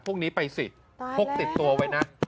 พวกนี้ไปสิพกติดตัวไว้นะ